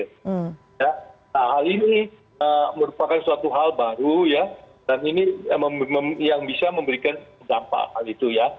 nah hal ini merupakan suatu hal baru ya dan ini yang bisa memberikan dampak hal itu ya